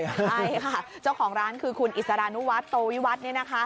ใช่ค่ะเจ้าของร้านคือคุณอิสรานุวัฒน์โตวิวัฒน์